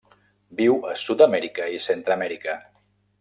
Viu a Sud-amèrica i Centreamèrica.